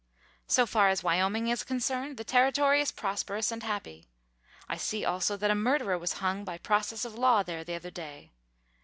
So far as Wyoming is concerned, the Territory is prosperous and happy. I see, also, that a murderer was hung by process of law there the other day.